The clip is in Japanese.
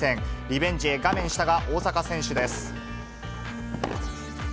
リベンジへ、画面下が大坂選手です。